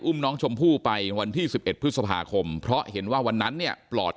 น้องชมพู่ไปวันที่๑๑พฤษภาคมเพราะเห็นว่าวันนั้นเนี่ยปลอด